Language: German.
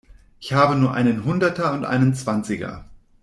Ich habe nur einen Hunderter und einen Zwanziger.